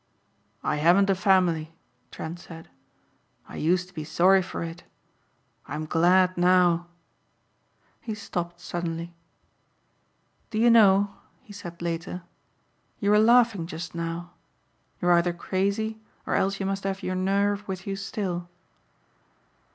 "I haven't a family," Trent said. "I used to be sorry for it. I'm glad now." He stopped suddenly. "Do you know," he said later, "you were laughing just now. You're either crazy or else you must have your nerve with you still."